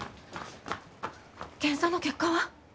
検査の結果は？